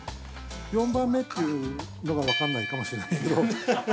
４番目というのが分かんないかもしれないけど。